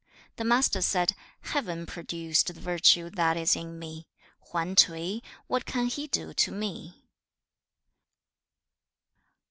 The Master said, 'Heaven produced the virtue that is in me. Hwan T'ui what can he do to me?'